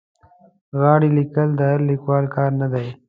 غاړې لیکل د هر لیکوال کار نه دی.